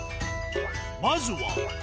まずは。